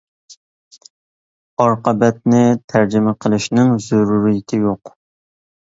ئارقا بەتنى تەرجىمە قىلىشنىڭ زۆرۈرىيىتى يوق.